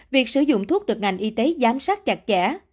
việc sử dụng thuốc được ngành y tế giám sát chặt chẽ